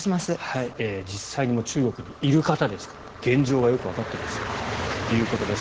実際に中国にいる方ですから現状がよくわかっていらっしゃるということです。